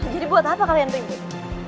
jadi buat apa kalian ribut